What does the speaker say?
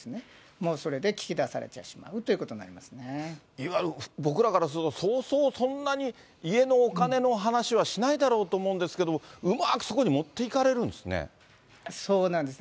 もうそれで聞き出されてしまうと僕らからすると、そうそう、そんなに家のお金の話はしないだろうと思うんですけど、うまくそこに持っていかれるんですね。